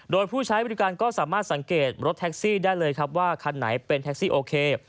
โดยผู้ใช้บริการก็สามารถสังเกตรถแท็กซี่ได้เลยครับว่าคันไหนเป็นแท็กซี่โอเค